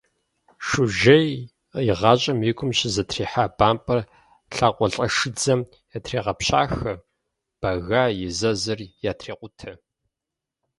Шужьей и гъащӀэм и гум щызэтрихьа бампӀэр лӀакъуэлӀэшыдзэм ятрегъэпщахэ, бэга и зэзыр ятрекъутэ.